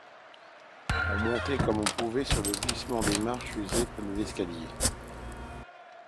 On montait comme on pouvait sur le glissement des marches usées de l’escalier.